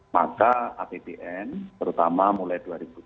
maka apbn terutama mulai dua ribu dua puluh